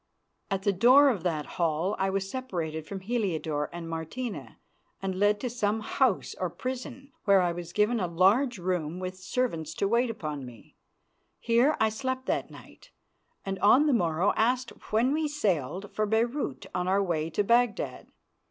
At the door of that hall I was separated from Heliodore and Martina and led to some house or prison, where I was given a large room with servants to wait upon me. Here I slept that night, and on the morrow asked when we sailed for Beirut on our way to Baghdad.